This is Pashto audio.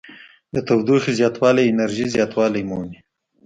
د تودوخې زیاتوالی انرژي زیاتوالی مومي.